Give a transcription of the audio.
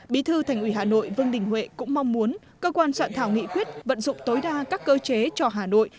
bí thư thành ủy hà nội vương đình huệ cũng mong muốn cơ quan soạn thảo nghị quyết vận dụng tối đa các cơ chế cho hà nội